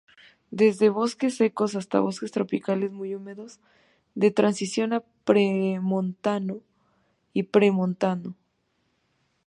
Desde bosques secos hasta bosques tropicales muy húmedos, de transición a premontano y premontano.